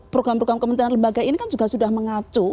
program program kementerian lembaga ini kan juga sudah mengacu